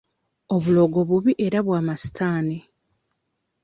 Obulogo bubi era bwa masitaani.